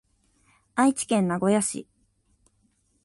愛知県名古屋市